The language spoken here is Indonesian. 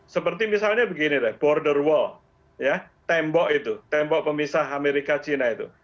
seperti misalnya begini border wall tembok itu tembok pemisah amerika cina itu